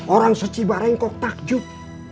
orang secibarengkok takjub